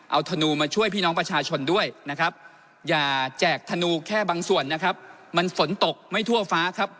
เอาธนูมาช่วยพี่น้องประชาชนด้วยนะครับอย่าแจกธนูแค่บางส่วนนะครับมันฝนตกไม่ทั่วฟ้าครับ